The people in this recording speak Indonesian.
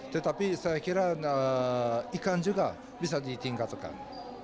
tetapi saya kira ikan juga bisa ditingkatkan